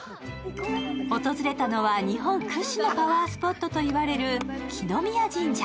訪れたのは日本屈指のパワースポットといわれる来宮神社。